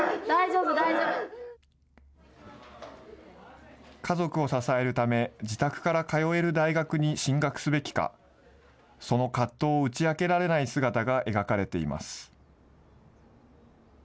大丈夫、家族を支えるため、自宅から通える大学に進学すべきか、その葛藤を打ち明けられない姿が描かれています。